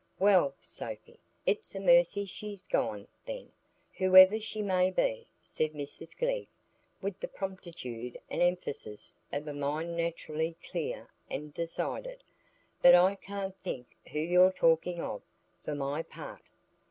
"Well, Sophy, it's a mercy she's gone, then, whoever she may be," said Mrs Glegg, with the promptitude and emphasis of a mind naturally clear and decided; "but I can't think who you're talking of, for my part."